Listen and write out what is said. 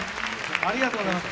ありがとうございます。